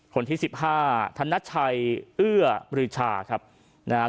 คนที่สิบห้าธนชัยเอื้อลืชาครับนะฮะ